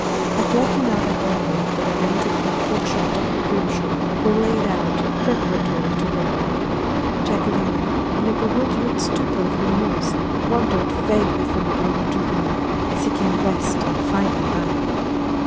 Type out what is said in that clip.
At Luckenough that morning, the remains of the unfortunate Dr. Grimshaw were laid out preparatory to burial. Jacquelina, in a bewildered stupor of remorse, wandered vaguely from room to room, seeking rest and finding none.